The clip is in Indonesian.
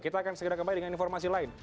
kita akan segera kembali dengan informasi lain